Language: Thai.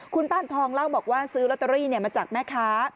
คุณป้านทองเล่าบอกว่าซื้อลอตเตอรี่มาจากแม่ค้า